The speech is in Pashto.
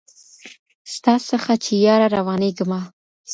ستا څخه چي ياره روانـېــږمه